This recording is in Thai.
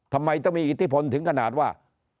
ทำไมต้องมีอิทธิพลถึงขนาดว่า